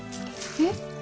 えっ？